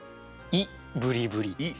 「いブリブリ」。